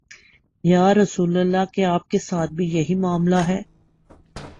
یا رسول اللہ، کیا آپ کے ساتھ بھی یہی معا ملہ ہے؟